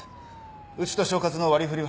うちと所轄の割り振りは？